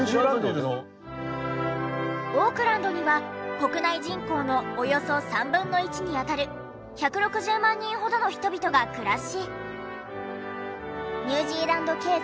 オークランドには国内人口のおよそ３分の１に当たる１６０万人ほどの人々が暮らし。